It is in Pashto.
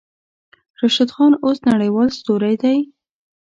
راشد خان اوس نړۍوال ستوری دی.